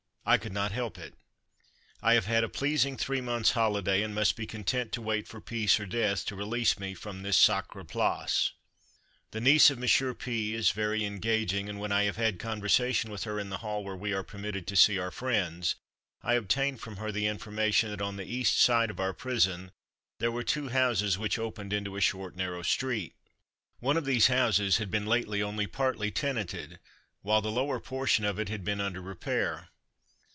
I could not help it. I have had a pleasing three months' holiday, and must be content to wait for peace or death, to release me from this sacre place. The niece of Monsieur P is very engaging, and when I have had conversation with her in the hall where we are permitted to see our friends, I obtained from her the information that on the east side of our prison there were two houses which opened into a short narrow street. One of these houses had been lately only partly tenanted, while the lower portion of it had been under repair.